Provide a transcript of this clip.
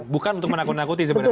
bukan untuk menakut nakuti sebenarnya